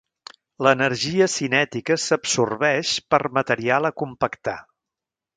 L'energia cinètica s'absorbeix per material a compactar.